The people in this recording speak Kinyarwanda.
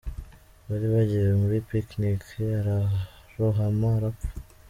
Bari bagiye muri picnic ararohama arapfa.